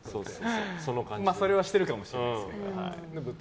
それはしてるかもしれませんが。